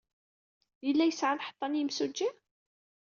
Yella yesɛa lḥeṭṭa n yimsujji?